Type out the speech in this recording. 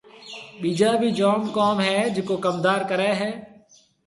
ٻِيجا ڀِي جوم ڪوم هيَ جڪو ڪمندار ڪريَ هيَ۔